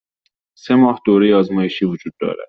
سه ماه دوره آزمایشی وجود دارد.